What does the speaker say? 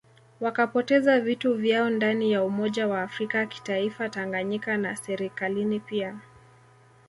Wakapoteza vitu vyao ndani ya umoja wa afrika kitaifa Tanganyika na Serikalini pia